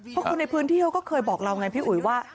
เพราะคนในพื้นที่เขาก็เคยบอกเราไงพี่อุ๋ยว่า